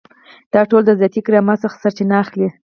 دا ټول د ذاتي کرامت څخه سرچینه اخلي.